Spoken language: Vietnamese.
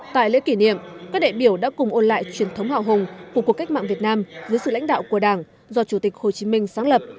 tại lễ kỷ niệm các đại biểu đã cùng ôn lại truyền thống hào hùng của cuộc cách mạng việt nam dưới sự lãnh đạo của đảng do chủ tịch hồ chí minh sáng lập